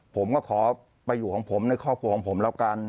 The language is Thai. ผมก็ขอไปอยู่ของผมในครอบครัวของผมแล้วกัน